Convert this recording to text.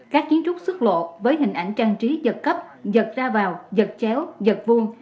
các kiến trúc xuất lộ với hình ảnh trang trí giật cấp giật ra vào giật chéo giật vuông